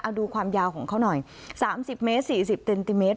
เอาดูความยาวของเขาหน่อยสามสิบเมตรสี่สิบเต็นติเมตร